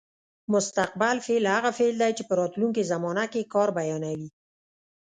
مستقبل فعل هغه فعل دی چې په راتلونکې زمانه کې کار بیانوي.